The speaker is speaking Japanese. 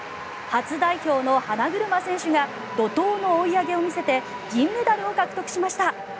初代表の花車選手が怒とうの追い上げを見せて銀メダルを獲得しました。